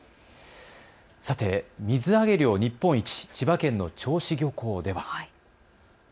さて水揚げ量日本一、千葉県の銚子漁港では。